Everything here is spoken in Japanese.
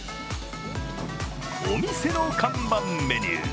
お店の看板メニュー